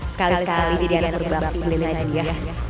sekali sekali didiamkan berbakti beli lainnya